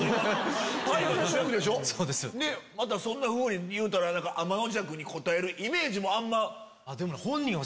そんなふうに言うたらあまのじゃくに答えるイメージもあんま。